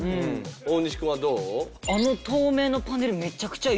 大西くんはどう？